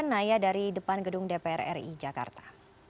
naya dari depan gedung dpr ri jakarta